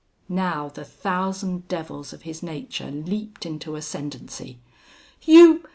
Now the thousand devils of his nature leaped into ascendancy. "You!